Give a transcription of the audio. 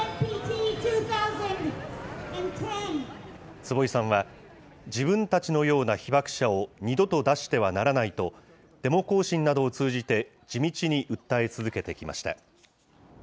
坪井さんは自分たちのような被爆者を二度と出してはならないと、デモ行進などを通じて、地道に訴え続けてきました。